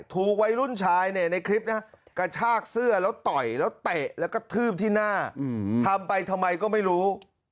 ถูกวัยรุ่นชายเนี่ยในคลิปนะกระชากเสื้อแล้วต่อยแล้วเตะแล้วก็ทืบที่หน้าทำไปทำไมก็ไม่รู้